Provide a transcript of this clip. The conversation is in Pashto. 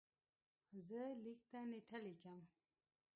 زه لیک ته نېټه لیکم.